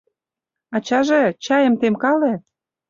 Ачаже, чайым темкале.